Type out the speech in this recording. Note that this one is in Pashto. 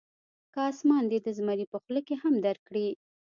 که اسمان دې د زمري په خوله کې هم درکړي.